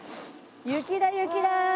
雪だ雪だ！